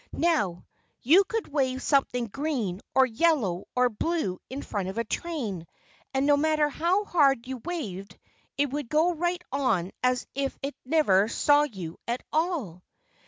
Now, you could wave something green, or yellow, or blue in front of a train; and no matter how hard you waved, it would go right on as if it never saw you at all."